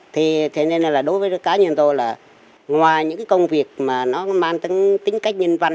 thế nên là đối với cá nhân tôi là ngoài những cái công việc mà nó mang tính cách nhân văn